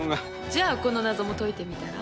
じゃあこの謎も解いてみたら？